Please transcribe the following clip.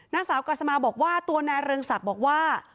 นางสาวกัสมาบอกว่าตัวนายเรืองศักดิ์บอกว่า